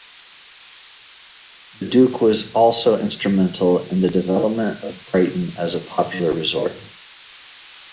The Duke was also instrumental in the development of Brighton as a popular resort.